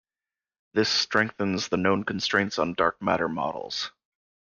This strengthens the known constraints on dark matter models.